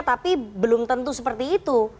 tapi belum tentu seperti itu